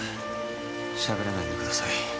しゃべらないでください